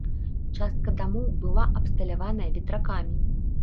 Частка дамоў была абсталяваная ветракамі.